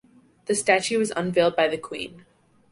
The statue was unveiled by the Queen.